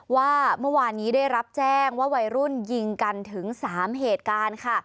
ว่าเมื่อวานนี้ได้รับแจ้งว่าวัยรุ่นยิงกันถึง๓เหตุการณ์ค่ะ